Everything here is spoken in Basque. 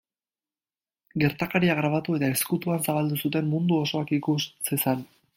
Gertakaria grabatu eta ezkutuan zabaldu zuten mundu osoak ikus zezan.